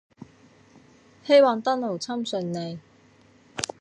希望當勞侵順利